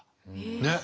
ねっ。